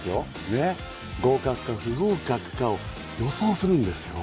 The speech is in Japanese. ねっ合格か不合格かを予想するんですよ